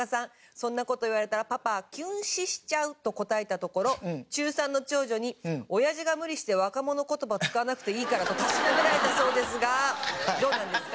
「“そんな事言われたらパパキュン死しちゃう”と答えたところ中３の長女に“オヤジが無理して若者言葉使わなくていいから”とたしなめられたそうですがどうなんですか？」